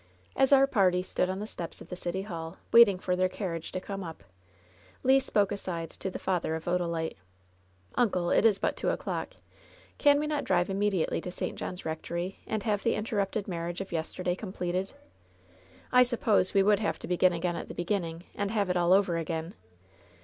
As our party stood on the steps of the City Hall, waiting for their carriage to come up, Le spoke aside to the father of Odalite : 'TJncle, it is but two o'clock. Can we not drive im l«a LOVE'S BITTEREST CUP mediately to St. John's rectory, and have the intei* rupted marriage of yesterday completed? I suppose we would have to begin again at the beginning and have it all over again.